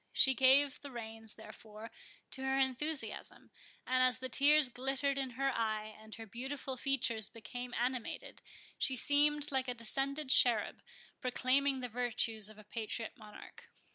She gave the reins, therefore, to her enthusiasm; and as the tears glittered in her eye, and her beautiful features became animated, she seemed like a descended cherub proclaiming the virtues of a patriot monarch.